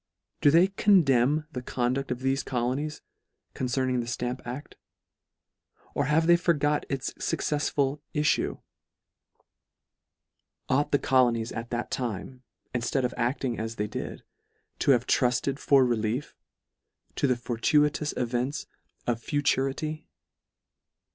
Do they con demn the conduct of thefe colonies, concern ing the Stamp acl f Or have they forgot its fuccefsful iiTue ? Ought the colonies at that (a) Gal. v. I. LETTER III. 29 time, inftead of ailing as they did, to have trufted for relief, to the fortuitous events of futurity